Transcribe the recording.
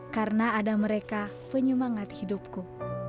karena ada mereka penyemangat hidupku